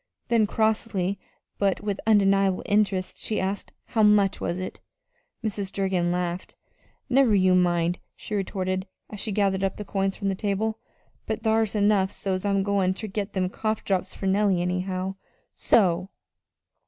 Then, crossly, but with undeniable interest, she asked: "How much was it?" Mrs. Durgin laughed. "Never you mind," she retorted, as she gathered up the coins from the table; "but thar's enough so's I'm goin' ter get them cough drops fur Nellie, anyhow. So!"